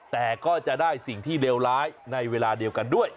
แต่ก็จะได้สิ่งที่เลวร้ายในเวลาเดียวกันด้วย